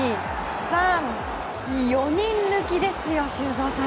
４人抜きですよ、修造さん。